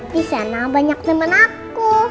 di sana banyak teman aku